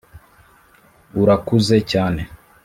urakuze cyane.